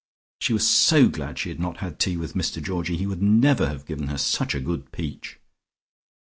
She was so glad she had not had tea with Mr Georgie: he would never have given her such a good peach....